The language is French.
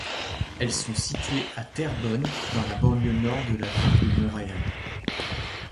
Elles sont situées à Terrebonne, dans la banlieue nord de la ville de Montréal.